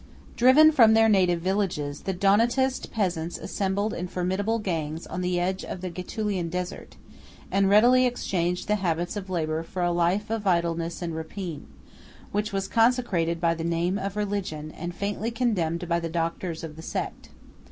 Driven from their native villages, the Donatist peasants assembled in formidable gangs on the edge of the Getulian desert; and readily exchanged the habits of labor for a life of idleness and rapine, which was consecrated by the name of religion, and faintly condemned by the doctors of the sect.